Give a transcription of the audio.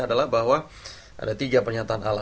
adalah bahwa ada tiga penyataan al